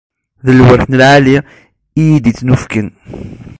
D lweṛt lɛali i iyi-d-ittunefken.